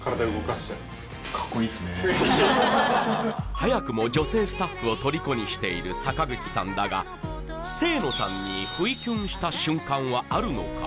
して早くも女性スタッフをとりこにしている坂口さんだが清野さんに不意キュンした瞬間はあるのか？